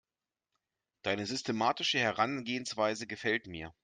Deine systematische Herangehensweise gefällt mir.